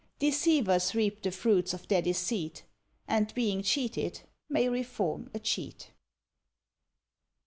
Deceivers reap the fruits of their deceit, And being cheated may reform a cheat.